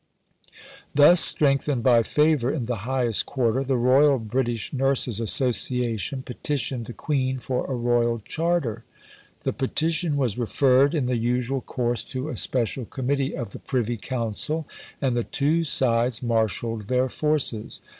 Thus strengthened by favour in the highest quarter, the Royal British Nurses Association petitioned the Queen for a Royal Charter. The petition was referred in the usual course to a special Committee of the Privy Council, and the two sides marshalled their forces.